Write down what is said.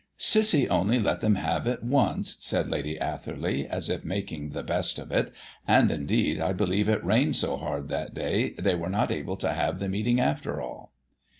"Cissy only let them have it once," said Lady Atherley, as if making the best of it. "And, indeed, I believe it rained so hard that day they were not able to have the meeting after all."